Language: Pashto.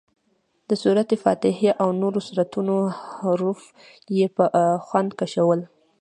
د سورت فاتحې او نورو سورتونو حروف یې په خوند کشول.